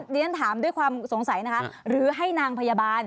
เรียนถามด้วยความสงสัยนะคะหรือให้นางพยาบาล